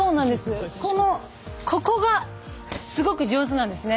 ここがすごく上手なんですね。